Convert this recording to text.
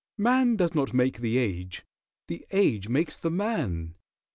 Man does not make the age. The age makes the man.